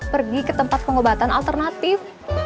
pergi ke tempat pengobatan alternatif